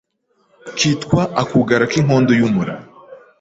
kitwa Akugara k’inkondo y’umura